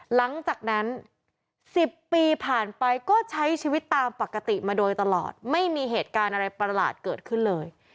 หลังจากนั้น๑๐ปีผ่านไปก็ใช้ชีวิตตามปกติมาโดยตลอดไม่มีเหตุการณ์อะไรประหลาดเกิดขึ้นเลย